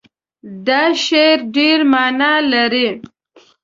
دا شعر ډېر معنا لري.